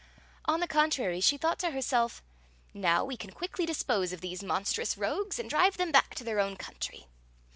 On the con trary, she thought to herself : "Now we can quickly dispose of these monstrous rogues and drive them back to their own country."